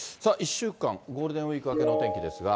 １週間、ゴールデンウィーク明けの天気ですが。